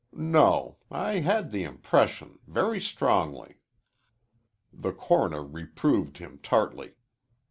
"No. I had the impression, very strongly." The coroner reproved him tartly.